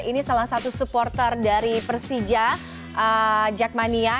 ini salah satu supporter dari persija jackmania